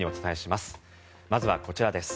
まずはこちらです。